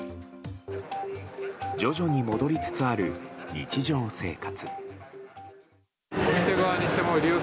徐々に戻りつつある日常生活。